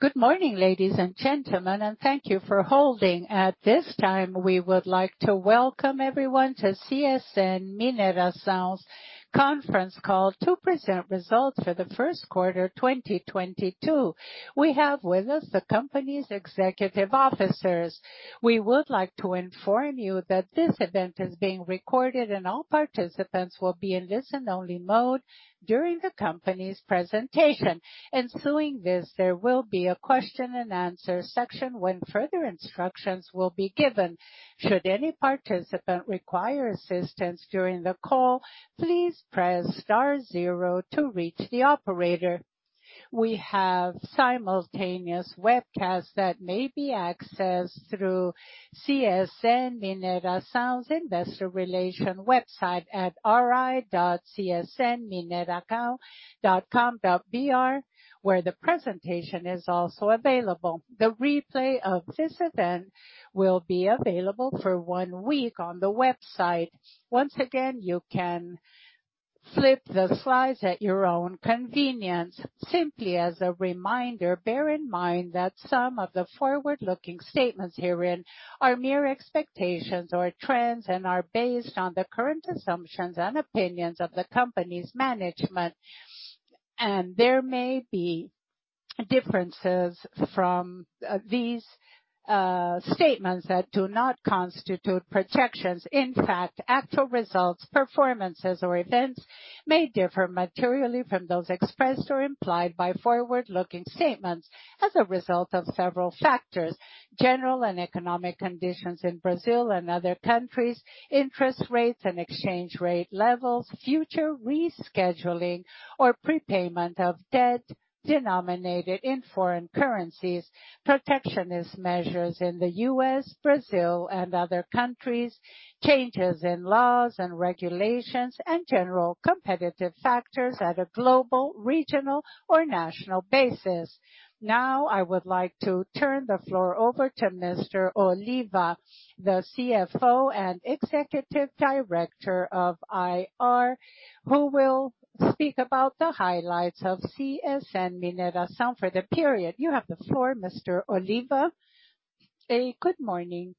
Good morning, ladies and gentlemen, and thank you for holding. At this time, we would like to welcome everyone to CSN Mineração's Conference Call to Present Results for the First Quarter 2022. We have with us the company's executive officers. We would like to inform you that this event is being recorded and all participants will be in listen-only mode during the company's presentation. Following this, there will be a question and answer section when further instructions will be given. Should any participant require assistance during the call, please press star zero to reach the operator. We have simultaneous webcast that may be accessed through CSN Mineração's Investor Relations website at ri.csnmineracao.com.br, where the presentation is also available. The replay of this event will be available for one week on the website. Once again, you can flip the slides at your own convenience. Simply as a reminder, bear in mind that some of the forward-looking statements herein are mere expectations or trends, and are based on the current assumptions and opinions of the company's management. There may be differences from these statements that do not constitute projections. In fact, actual results, performances or events may differ materially from those expressed or implied by forward-looking statements as a result of several factors. General and economic conditions in Brazil and other countries, interest rates and exchange rate levels, future rescheduling or prepayment of debt denominated in foreign currencies. Protectionist measures in the U.S., Brazil and other countries, changes in laws and regulations, and general competitive factors at a global, regional, or national basis. Now I would like to turn the floor over to Mr. Oliva, the CFO and Executive Director of IR, who will speak about the highlights of CSN Mineração for the period. You have the floor, Mr. Oliva. A good morning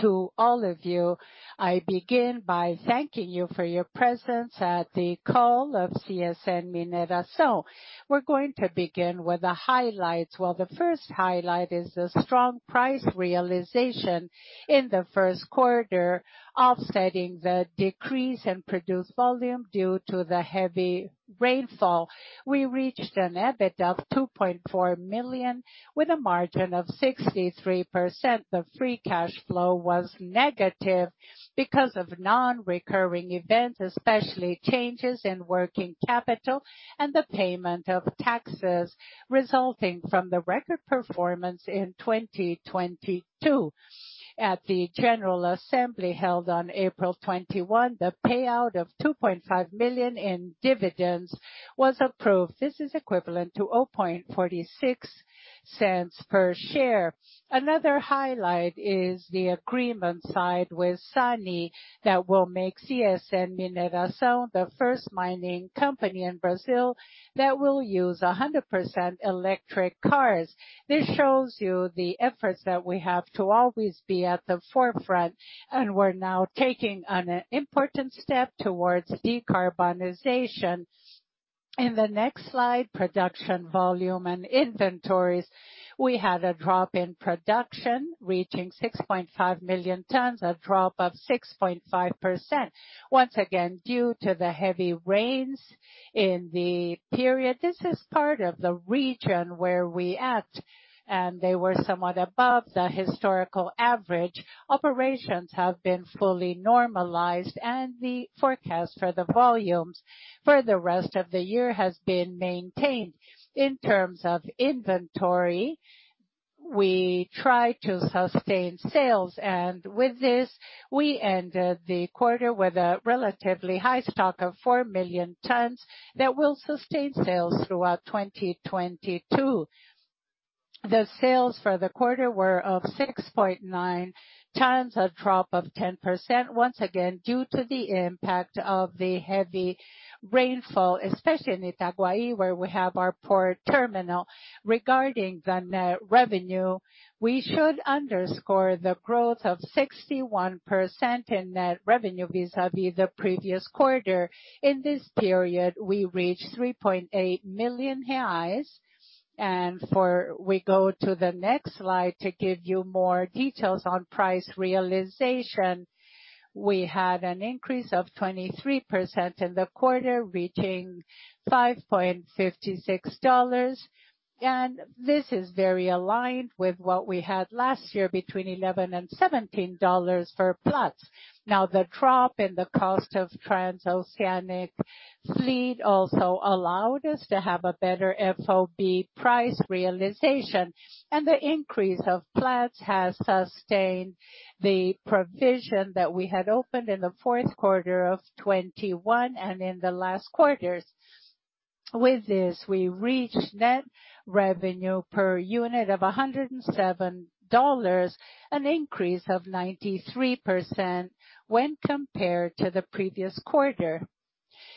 to all of you. I begin by thanking you for your presence at the call of CSN Mineração. We're going to begin with the highlights. Well, the first highlight is the strong price realization in the first quarter, offsetting the decrease in produced volume due to the heavy rainfall. We reached an EBIT of 2.4 million, with a margin of 63%. The free cash flow was negative because of non-recurring events, especially changes in working capital and the payment of taxes resulting from the record performance in 2022. At the general assembly held on April 21, the payout of 2.5 million in dividends was approved. This is equivalent to 0.46 per share. Another highlight is the agreement signed with Sany that will make CSN Mineração the first mining company in Brazil that will use 100% electric cars. This shows you the efforts that we have to always be at the forefront, and we're now taking an important step towards decarbonization. In the next slide, production volume and inventories. We had a drop in production reaching 6.5 million tons, a drop of 6.5%. Once again, due to the heavy rains in the period. This is part of the region where we're at, and they were somewhat above the historical average. Operations have been fully normalized and the forecast for the volumes for the rest of the year has been maintained. In terms of inventory, we try to sustain sales, and with this, we ended the quarter with a relatively high stock of 4 million tons that will sustain sales throughout 2022. The sales for the quarter were of 6.9 million tons, a drop of 10%, once again due to the impact of the heavy rainfall, especially in Itaguaí, where we have our port terminal. Regarding the net revenue, we should underscore the growth of 61% in net revenue vis-à-vis the previous quarter. In this period, we reached 3.8 million reais. We go to the next slide to give you more details on price realization. We had an increase of 23% in the quarter, reaching $5.56. This is very aligned with what we had last year, between $11 and $17 per Platts. Now, the drop in the cost of transoceanic fleet also allowed us to have a better FOB price realization. The increase of Platts has sustained the provision that we had opened in the fourth quarter of 2021 and in the last quarters. With this, we reached net revenue per unit of $107, an increase of 93% when compared to the previous quarter.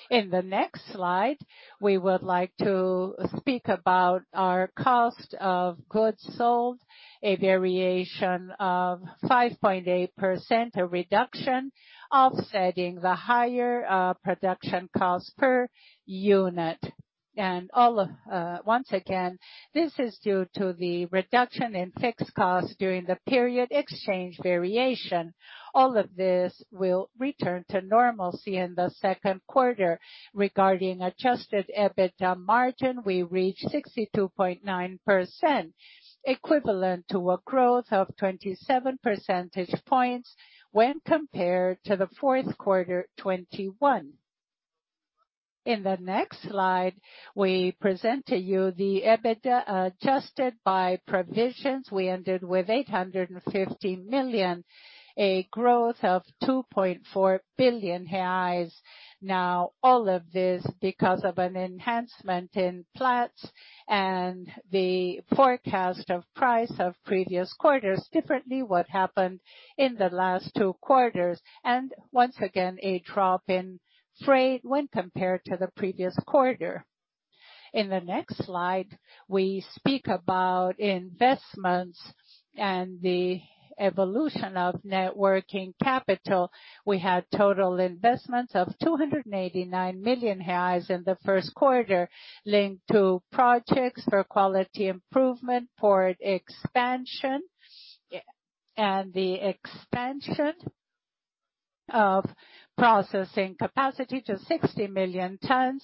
In the next slide, we would like to speak about our cost of goods sold, a variation of 5.8%, a reduction offsetting the higher production cost per unit. All of, once again, this is due to the reduction in fixed costs during the period exchange variation. All of this will return to normalcy in the second quarter. Regarding Adjusted EBITDA margin, we reached 62.9%, equivalent to a growth of 27 percentage points when compared to the fourth quarter 2021. In the next slide, we present to you the EBITDA adjusted by provisions. We ended with 850 million, a growth of 2.4 billion reais. Now, all of this because of an enhancement in flats and the forecast of price of previous quarters differently what happened in the last two quarters. Once again, a drop in freight when compared to the previous quarter. In the next slide, we speak about investments and the evolution of net working capital. We had total investments of 289 million reais in the first quarter, linked to projects for quality improvement, port expansion, and the expansion of processing capacity to 60 million tons.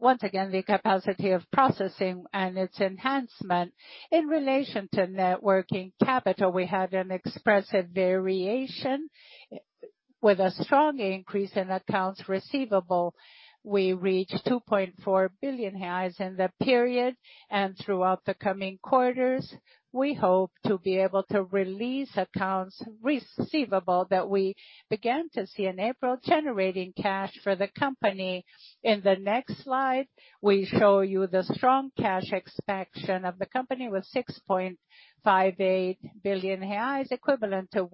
Once again, the capacity of processing and its enhancement. In relation to net working capital, we had an expressive variation with a strong increase in accounts receivable. We reached 2.4 billion reais in the period. Throughout the coming quarters, we hope to be able to release accounts receivable that we began to see in April, generating cash for the company. In the next slide, we show you the strong cash expansion of the company with 6.58 billion reais, equivalent to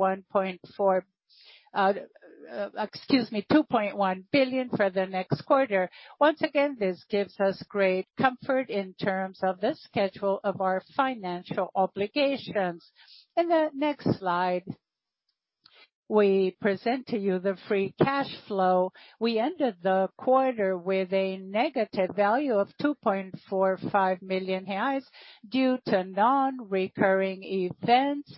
2.1 billion for the next quarter. Once again, this gives us great comfort in terms of the schedule of our financial obligations. In the next slide, we present to you the free cash flow. We ended the quarter with a negative value of 2.45 million reais due to non-recurring events.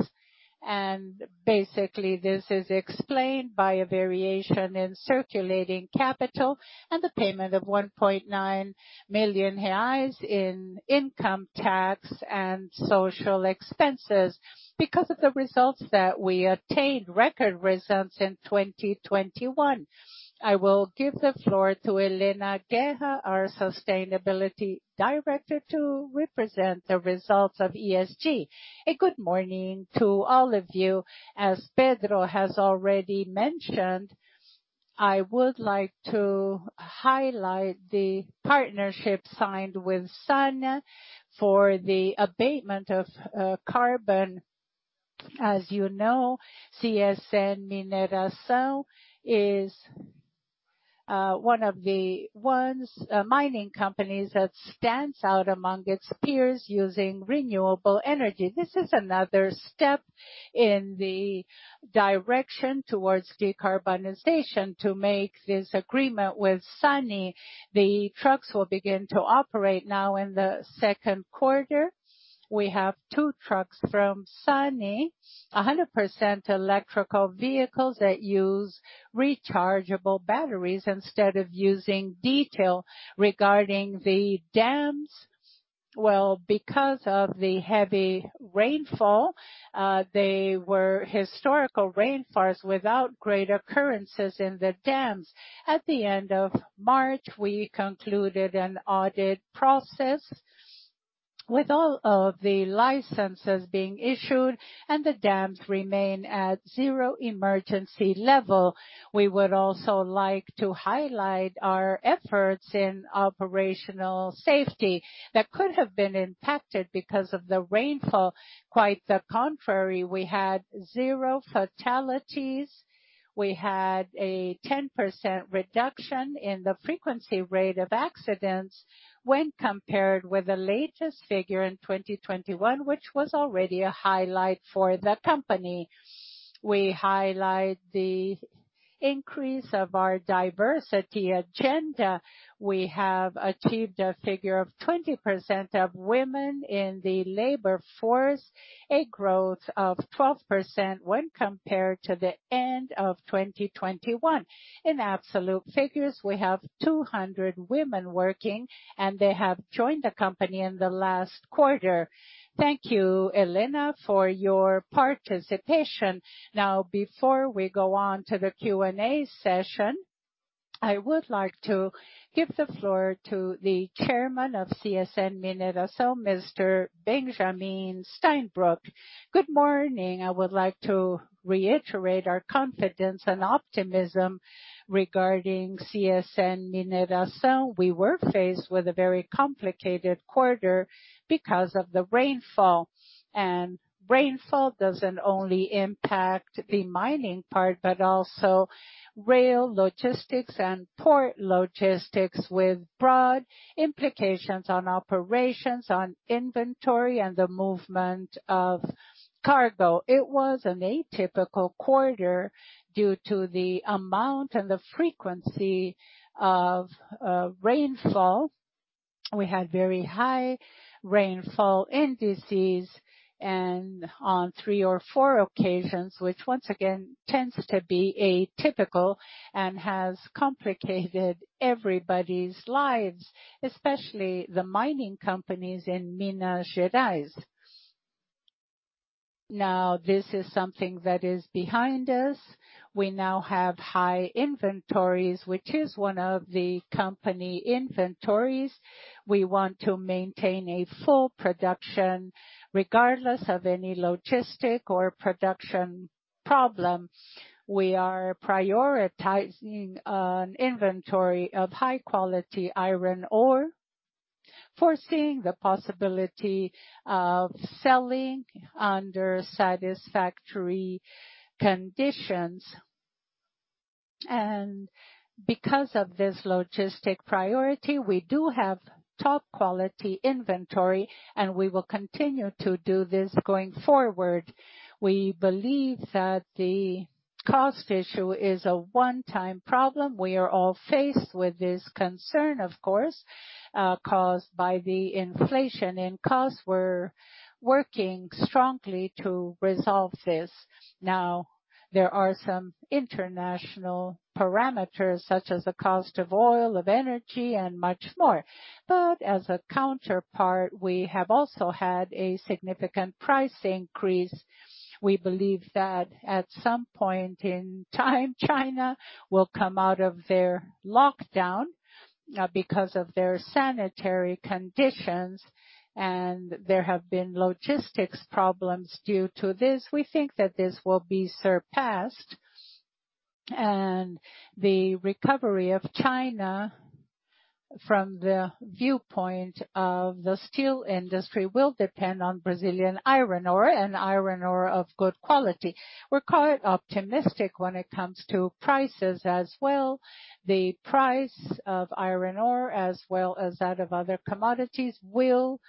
Basically, this is explained by a variation in circulating capital and the payment of 1.9 million reais in income tax and social expenses because of the results that we attained, record results in 2021. I will give the floor to Helena Guerra, our Sustainability Director, to represent the results of ESG. Good morning to all of you. As Pedro has already mentioned, I would like to highlight the partnership signed with Sany for the abatement of carbon. As you know, CSN Mineração is one of the world's mining companies that stands out among its peers using renewable energy. This is another step in the direction towards decarbonization to make this agreement with Sany. The trucks will begin to operate now in the second quarter. We have two trucks from Sany, 100% Electric Vehicles that use rechargeable batteries instead of using diesel regarding the dams. Well, because of the heavy rainfall, there were historical rainfalls without great occurrences in the dams. At the end of March, we concluded an audit process with all of the licenses being issued, and the dams remain at zero emergency level. We would also like to highlight our efforts in operational safety that could have been impacted because of the rainfall. Quite the contrary, we had zero fatalities. We had a 10% reduction in the frequency rate of accidents when compared with the latest figure in 2021, which was already a highlight for the company. We highlight the increase of our diversity agenda. We have achieved a figure of 20% of women in the labor force, a growth of 12% when compared to the end of 2021. In absolute figures, we have 200 women working, and they have joined the company in the last quarter. Thank you, Helena, for your participation. Now, before we go on to the Q&A session, I would like to give the floor to the chairman of CSN Mineração, Mr. Benjamin Steinbruch. Good morning. I would like to reiterate our confidence and optimism regarding CSN Mineração. We were faced with a very complicated quarter because of the rainfall. Rainfall doesn't only impact the mining part, but also rail logistics and port logistics with broad implications on operations on inventory and the movement of cargo. It was an atypical quarter due to the amount and the frequency of rainfall. We had very high rainfall indices and on three or four occasions, which once again tends to be atypical and has complicated everybody's lives, especially the mining companies in Minas Gerais. Now, this is something that is behind us. We now have high inventories, which is one of the company inventories. We want to maintain a full production regardless of any logistic or production problem. We are prioritizing an inventory of high-quality iron ore, foreseeing the possibility of selling under satisfactory conditions. Because of this logistic priority, we do have top-quality inventory, and we will continue to do this going forward. We believe that the cost issue is a one-time problem. We are all faced with this concern, of course, caused by the inflation in costs. We're working strongly to resolve this. Now, there are some international parameters such as the cost of oil, of energy, and much more. As a counterpart, we have also had a significant price increase. We believe that at some point in time, China will come out of their lockdown, because of their sanitary conditions, and there have been logistics problems due to this. We think that this will be surpassed, and the recovery of China from the viewpoint of the steel industry will depend on Brazilian iron ore and iron ore of good quality. We're quite optimistic when it comes to prices as well. The price of iron ore as well as that of other commodities will,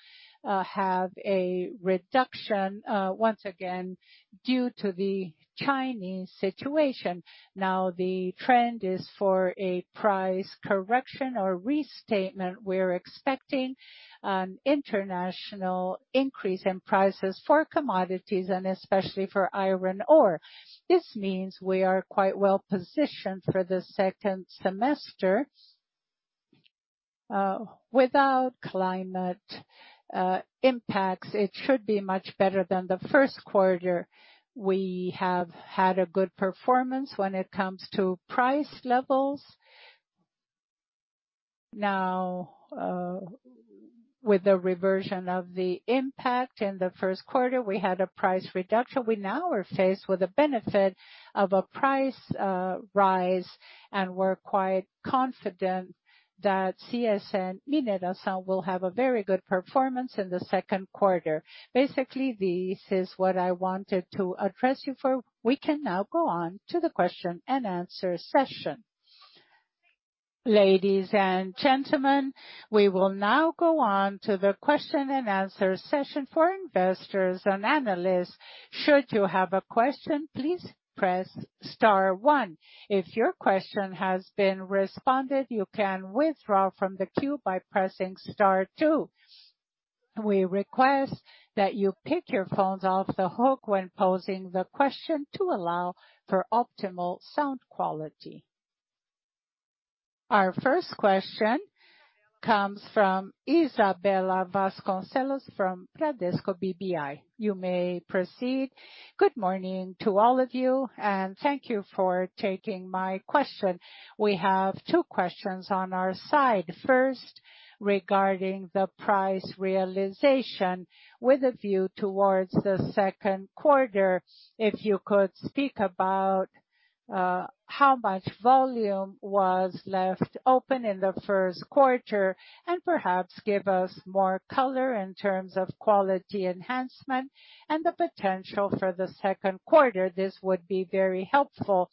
have a reduction, once again due to the Chinese situation. Now, the trend is for a price correction or restatement. We're expecting an international increase in prices for commodities and especially for iron ore. This means we are quite well-positioned for the second semester, without climate impacts. It should be much better than the first quarter. We have had a good performance when it comes to price levels. Now, with the reversion of the impact in the first quarter, we had a price reduction. We now are faced with the benefit of a price rise, and we're quite confident that CSN Mineração will have a very good performance in the second quarter. Basically, this is what I wanted to address you for. We can now go on to the question-and-answer session. Ladies and gentlemen, we will now go on to the question-and-answer session for investors and analysts. Should you have a question, please press star one. If your question has been responded, you can withdraw from the queue by pressing star two. We request that you pick your phones off the hook when posing the question to allow for optimal sound quality. Our first question comes from Isabella Vasconcelos from Bradesco BBI. You may proceed. Good morning to all of you, and thank you for taking my question. We have two questions on our side. First, regarding the price realization with a view towards the second quarter, if you could speak about how much volume was left open in the first quarter, and perhaps give us more color in terms of quality enhancement and the potential for the second quarter. This would be very helpful.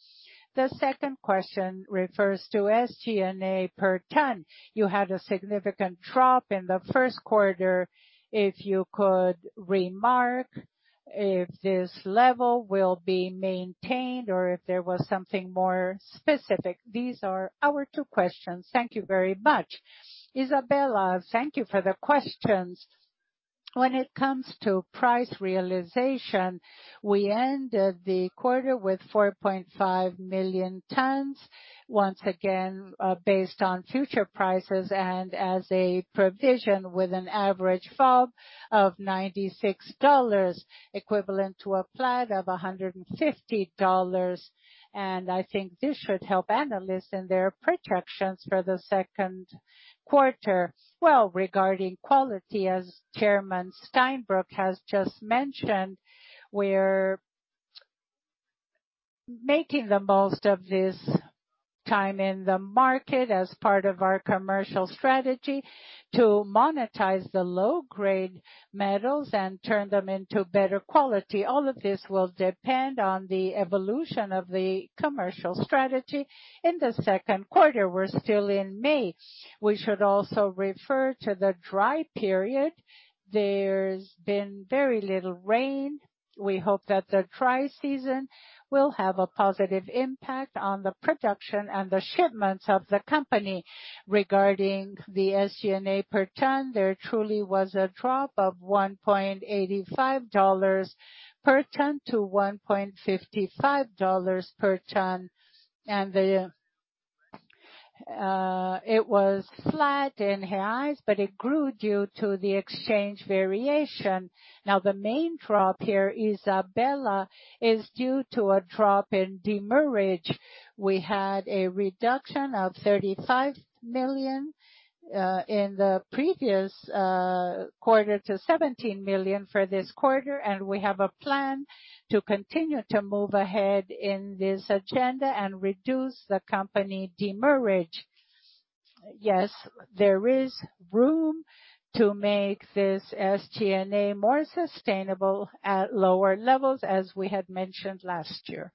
The second question refers to SG&A per ton. You had a significant drop in the first quarter. If you could remark if this level will be maintained or if there was something more specific? These are our two questions. Thank you very much. Isabella, thank you for the questions. When it comes to price realization, we ended the quarter with 4.5 million tons, once again, based on future prices and as a provision with an average FOB of $96, equivalent to a Platts of $150. I think this should help analysts in their projections for the second quarter. Well, regarding quality, as Chairman Steinbruch has just mentioned, we're making the most of this time in the market as part of our commercial strategy to monetize the low grade metals and turn them into better quality. All of this will depend on the evolution of the commercial strategy in the second quarter. We're still in May. We should also refer to the dry period. There's been very little rain. We hope that the dry season will have a positive impact on the production and the shipments of the company. Regarding the SG&A per ton, there truly was a drop of $1.85 per ton to $1.55 per ton. It was flat in reais, but it grew due to the exchange variation. Now, the main drop here, Isabella, is due to a drop in demurrage. We had a reduction of 35 million in the previous quarter to 17 million for this quarter. We have a plan to continue to move ahead in this agenda and reduce the company demurrage. Yes, there is room to make this SG&A more sustainable at lower levels, as we had mentioned last year.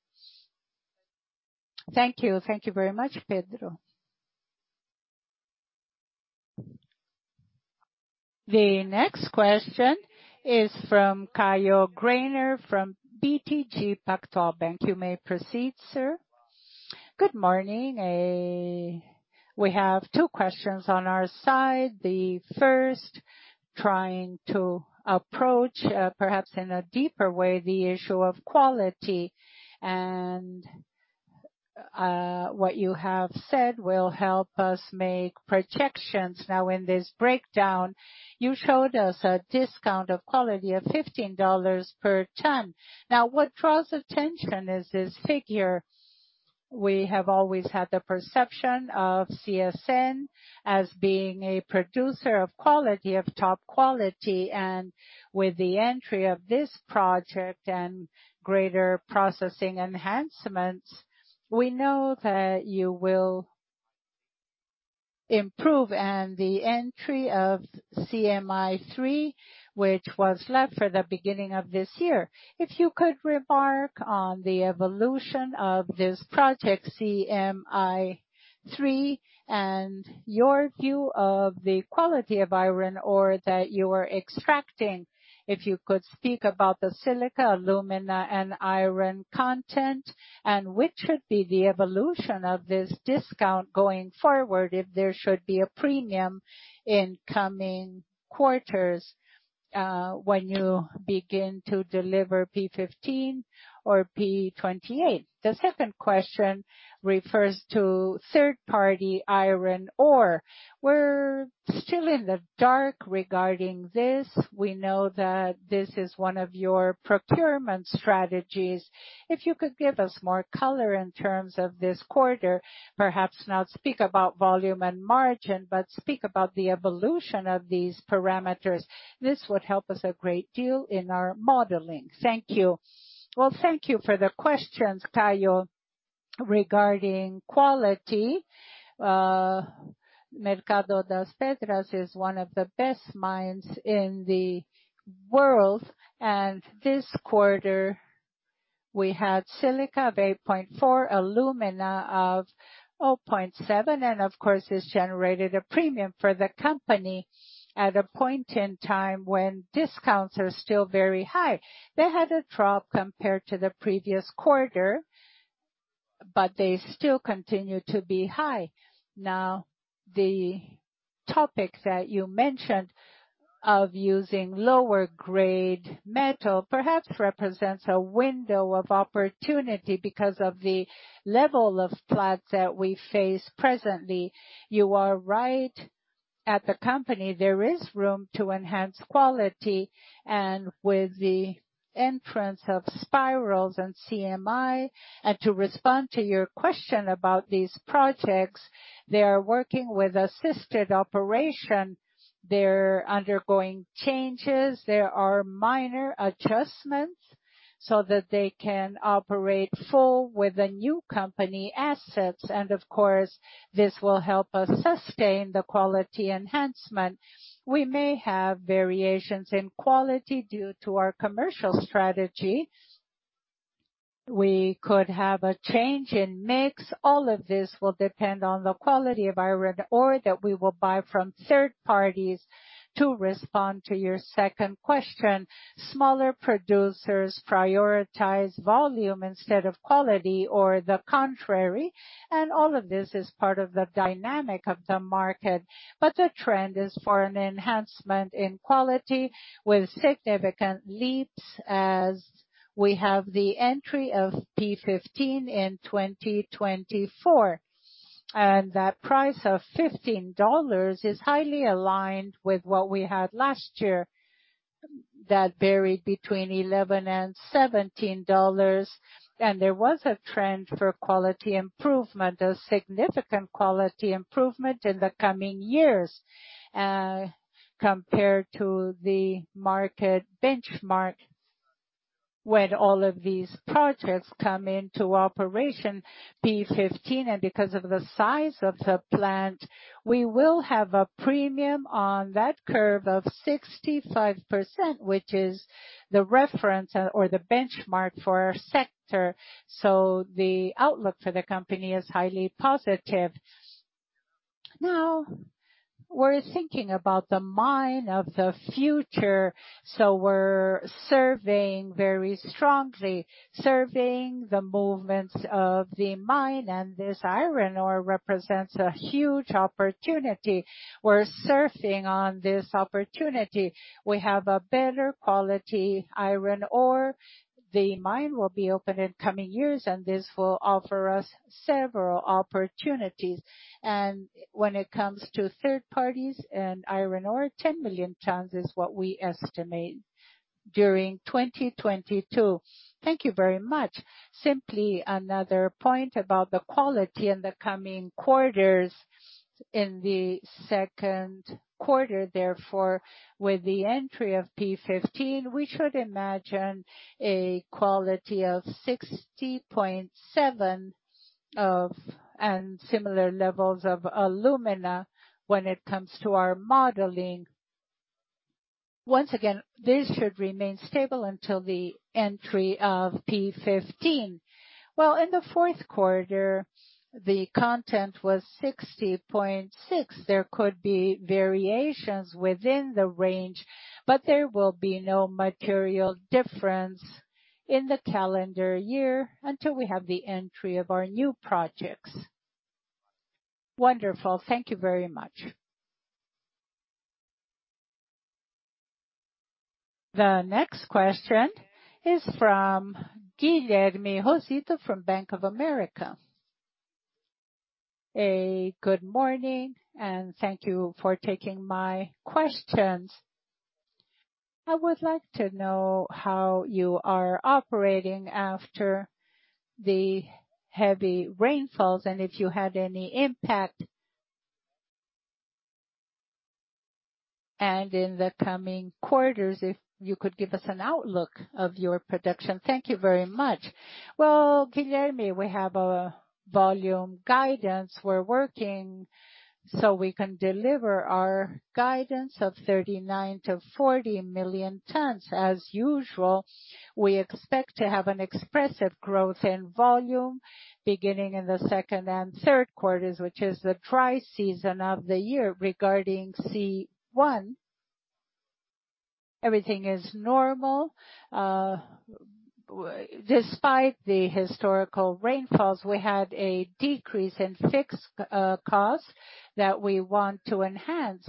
Thank you. Thank you very much, Pedro. The next question is from Caio Greiner from BTG Pactual. You may proceed, sir. Good morning, we have two questions on our side. The first, trying to approach, perhaps in a deeper way, the issue of quality. What you have said will help us make projections. Now, in this breakdown, you showed us a discount of quality of $15 per ton. Now, what draws attention is this figure. We have always had the perception of CSN as being a producer of quality, of top quality. With the entry of this project and greater processing enhancements, we know that you will improve. The entry of CMIN3, which was left for the beginning of this year. If you could remark on the evolution of this project, CMIN3, and your view of the quality of iron ore that you are extracting. If you could speak about the silica, alumina and iron content, and which should be the evolution of this discount going forward if there should be a premium in coming quarters, when you begin to deliver P15 or P28. The second question refers to third-party iron ore. We're still in the dark regarding this. We know that this is one of your procurement strategies. If you could give us more color in terms of this quarter, perhaps not speak about volume and margin, but speak about the evolution of these parameters. This would help us a great deal in our modeling. Thank you. Well, thank you for the questions, Caio. Regarding quality, Casa de Pedra is one of the best mines in the world. This quarter, we had silica of 8.4, alumina of 0.7. Of course, this generated a premium for the company at a point in time when discounts are still very high. They had a drop compared to the previous quarter, but they still continue to be high. Now, the topic that you mentioned of using lower grade metal perhaps represents a window of opportunity because of the level of Platts that we face presently. You are right. At the company, there is room to enhance quality and with the entrance of spirals and CMAI. To respond to your question about these projects, they are working with assisted operation. They're undergoing changes. There are minor adjustments so that they can operate full with the new company assets. Of course, this will help us sustain the quality enhancement. We may have variations in quality due to our commercial strategy. We could have a change in mix. All of this will depend on the quality of iron ore that we will buy from third parties. To respond to your second question, smaller producers prioritize volume instead of quality or the contrary, and all of this is part of the dynamic of the market. The trend is for an enhancement in quality with significant leaps as we have the entry of P15 in 2024. That price of $15 is highly aligned with what we had last year. That varied between $11 and $17. There was a trend for quality improvement, a significant quality improvement in the coming years, compared to the market benchmark. When all of these projects come into operation, P15, and because of the size of the plant, we will have a premium on that curve of 65%, which is the reference or the benchmark for our sector. The outlook for the company is highly positive. Now we're thinking about the mine of the future, so we're surveying very strongly the movements of the mine. This iron ore represents a huge opportunity. We're surfing on this opportunity. We have a better quality iron ore. The mine will be open in coming years, and this will offer us several opportunities. When it comes to third parties and iron ore, 10 million tons is what we estimate during 2022. Thank you very much. Simply another point about the quality in the coming quarters. In the second quarter, therefore, with the entry of P15, we should imagine a quality of 60.7, and similar levels of alumina when it comes to our modeling. Once again, this should remain stable until the entry of P15. Well, in the fourth quarter, the content was 60.6. There could be variations within the range, but there will be no material difference in the calendar year until we have the entry of our new projects. Wonderful. Thank you very much. The next question is from Guilherme Rosito from Bank of America. Good morning, and thank you for taking my questions. I would like to know how you are operating after the heavy rainfalls, and if you had any impact. In the coming quarters, if you could give us an outlook of your production. Thank you very much. Well, Guilherme, we have a volume guidance. We're working so we can deliver our guidance of 39-40 million tons. As usual, we expect to have an expressive growth in volume beginning in the second and third quarters, which is the dry season of the year. Regarding C1, everything is normal. Despite the historical rainfalls, we had a decrease in fixed costs that we want to enhance,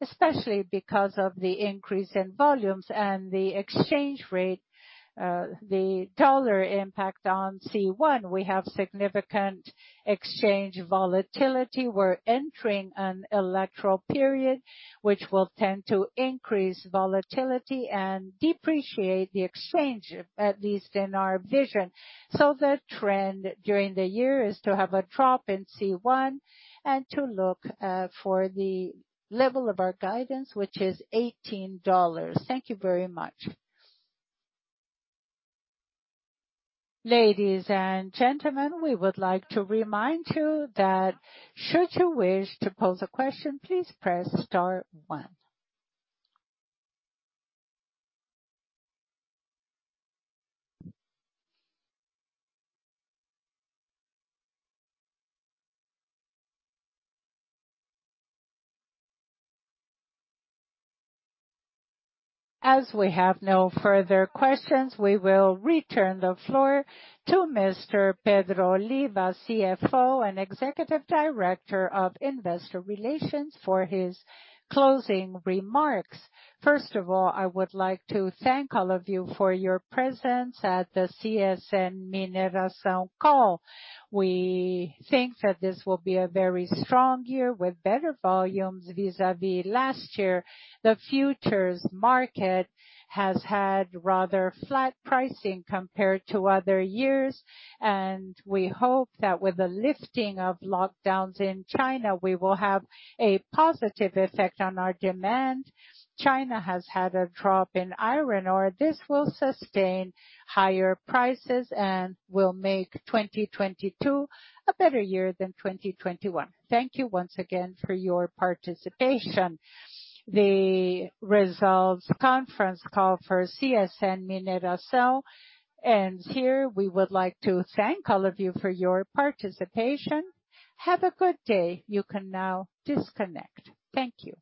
especially because of the increase in volumes and the exchange rate, the dollar impact on C1. We have significant exchange volatility. We're entering an electoral period, which will tend to increase volatility and depreciate the exchange, at least in our vision. The trend during the year is to have a drop in C1 and to look for the level of our guidance, which is $18. Thank you very much. Ladies and gentlemen, we would like to remind you that should you wish to pose a question, please press star one. As we have no further questions, we will return the floor to Mr. Pedro Oliva, CFO and Executive Director of Investor Relations, for his closing remarks. First of all, I would like to thank all of you for your presence at the CSN Mineração Call. We think that this will be a very strong year with better volumes vis-à-vis last year. The futures market has had rather flat pricing compared to other years, and we hope that with the lifting of lockdowns in China, we will have a positive effect on our demand. China has had a drop in iron ore. This will sustain higher prices and will make 2022 a better year than 2021. Thank you once again for your participation. The Results Conference Call for CSN Mineração ends here. We would like to thank all of you for your participation. Have a good day. You can now disconnect. Thank you.